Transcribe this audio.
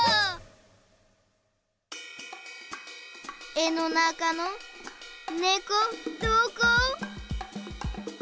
絵のなかのねこどこ？